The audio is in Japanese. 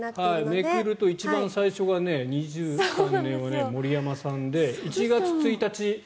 めくると一番最初が２３年は森山さんで、１月１日。